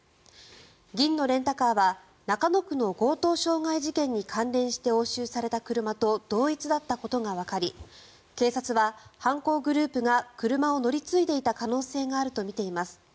銀のレンタカーは中野区の強盗傷害事件に関連して押収した車と同一だったことがわかり警察は犯行グループが車を乗り継いでいた可能性があるとみています。